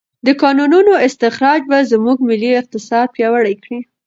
د کانونو استخراج به زموږ ملي اقتصاد پیاوړی کړي.